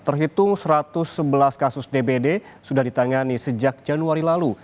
terhitung satu ratus sebelas kasus dbd sudah ditangani sejak januari lalu